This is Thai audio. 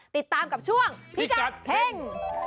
ติดตามกับช่วงพิกัดเฮ่ง